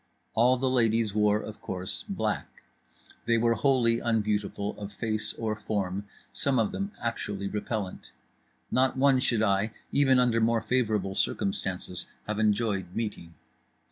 All the ladies wore, of course, black; they were wholly unbeautiful of face or form, some of them actually repellant; not one should I, even under more favourable circumstances, have enjoyed meeting.